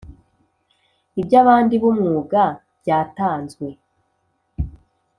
iby abandi b umwuga byatanzwe